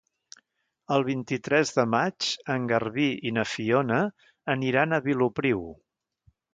El vint-i-tres de maig en Garbí i na Fiona aniran a Vilopriu.